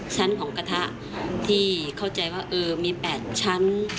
ชั้นของกระทะที่เข้าใจว่ามี๘ชั้น